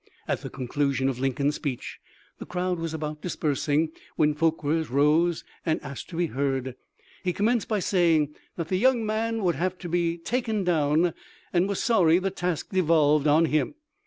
At the conclusion of Lincoln's speech the crowd was about dispersing, when For quer rose and asked to be heard. He commenced by saying that the young man would have to be taken down, and was sorry the task devolved on him.